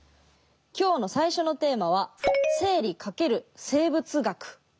今日の最初のテーマは「生理×生物学」。